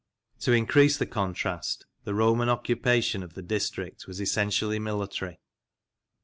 To increase the contrast, the Roman occupation of the district was essentially military.